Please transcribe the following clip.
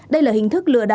đây là hình thức lừa đảo